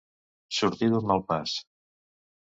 Sortir d'un mal pas.